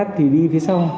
thì đi phía sau